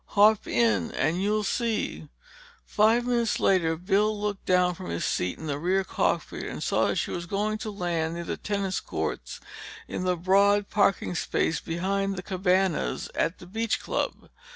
"Hop in and you'll see." Five minutes later, Bill looked down from his seat in the rear cockpit and saw that she was going to land near the tennis courts in the broad parking space behind the cabanas at the beach club.